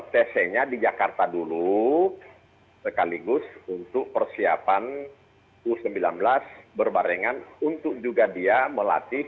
tc nya di jakarta dulu sekaligus untuk persiapan u sembilan belas berbarengan untuk juga dia melatih